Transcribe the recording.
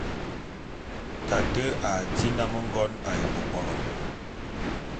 Tate a dí nnám ngon ā ebôbolo.